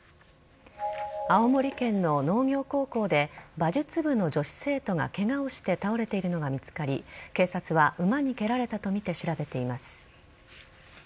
青森県の農業高校で馬術部の女子生徒がケガをして倒れているのが見つかり警察は馬に蹴られたとみて調べています。